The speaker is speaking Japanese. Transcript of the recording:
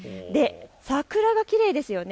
桜がきれいですよね。